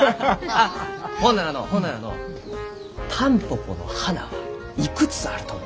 あっほんならのうほんならのうタンポポの花はいくつあると思う？